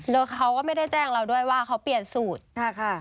แบบนั้นแล้วเขาไม่ได้แจ้งเราด้วยว่าเขาเปลี่ยนสูตร